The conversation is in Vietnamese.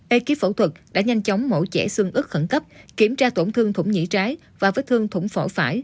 ekip phẫu thuật đã nhanh chóng mổ trẻ xương ức khẩn cấp kiểm tra tổn thương thủng nhĩ trái và vết thương thủng phỏ phải